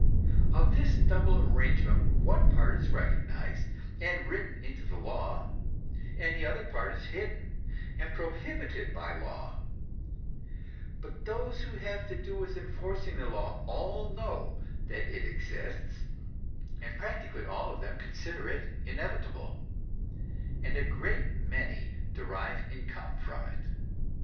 Of this double arrangement one part is recognized, and written into the law; the other part is hidden, and prohibited by law; but those who have to do with enforcing the law all know that it exists, and practically all of them consider it inevitable, and a great many derive income from it.